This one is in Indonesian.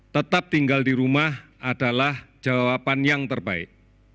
tetap tinggal di rumah adalah jawaban yang terbaik